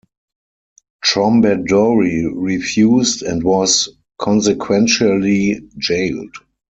Trombadori refused and was consequentially jailed.